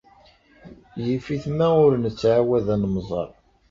Yif-it ma ur nettɛawad ad nemẓer.